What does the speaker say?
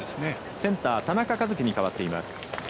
センター田中和基に代わっています。